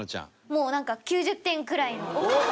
もうなんか９０点くらいの。